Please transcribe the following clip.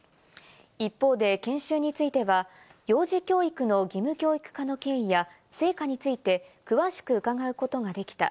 一方で研修については、幼児教育の義務教育化の経緯や成果について詳しく伺うことができた。